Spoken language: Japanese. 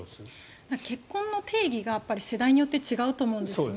結婚の定義が世代によって違うと思うんですね。